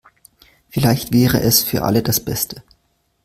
Vielleicht wäre es für alle das Beste.